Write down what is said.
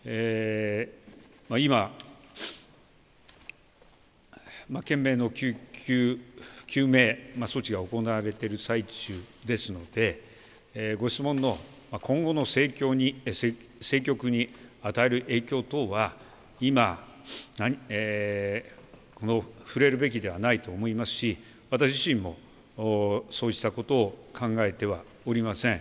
今、懸命の救急救命措置が行われている最中ですので、ご質問の今後の政局に与える影響等は、今、触れるべきではないと思いますし、私自身もそうしたことを考えてはおりません。